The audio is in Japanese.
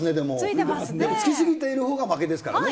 つきすぎているほうが負けですからね。